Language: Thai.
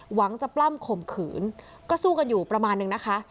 หวังจะปล้ำข่มขืนก็สู้กันอยู่ประมาณนึงนะคะ